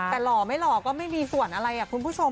แต่หล่อไม่หล่อก็ไม่มีส่วนอะไรคุณผู้ชม